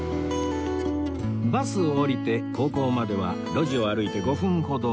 バスを降りて高校までは路地を歩いて５分ほど